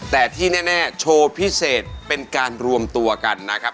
แต่ที่แน่โชว์พิเศษเป็นการรวมตัวกันนะครับ